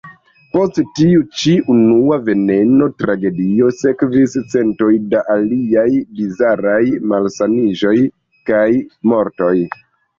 Post tiu ĉi unua veneno-tragedio sekvis centoj da aliaj bizaraj malsaniĝoj kaj mortoj.